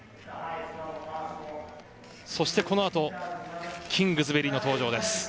そして、このあとキングズベリーの登場です。